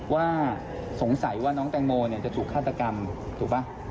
ว่าสงสัยว่าน้องแตงโมจะถูกฆาตกรรมถูกป่ะ